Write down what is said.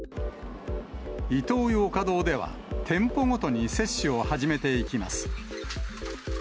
イトーヨーカドーでは、店舗ごとに接種を始めていきます。